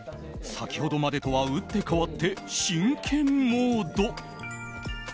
先ほどまでとは打って変わって真剣モード。